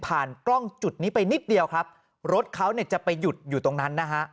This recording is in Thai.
กล้องจุดนี้ไปนิดเดียวครับรถเขาเนี่ยจะไปหยุดอยู่ตรงนั้นนะฮะ